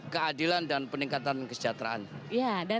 keadilan dan peningkatan kesejahteraan